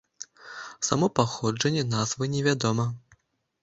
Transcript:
Само паходжанне назвы не вядома.